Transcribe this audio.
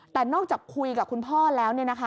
แต่นอกจากคุยกับคุณพ่อแล้ว